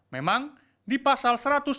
memang di pasal satu ratus tiga puluh tujuh berbunyi